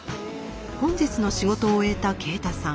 本日の仕事を終えた啓太さん。